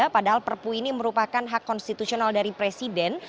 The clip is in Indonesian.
padahal perpu ini merupakan hak konstitusional dari presiden